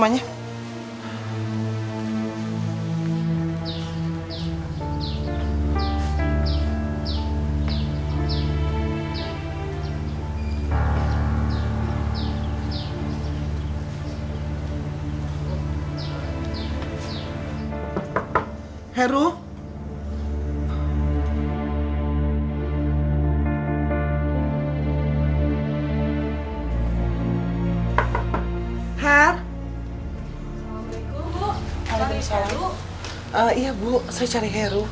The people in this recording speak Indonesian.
iya bu saya cari heru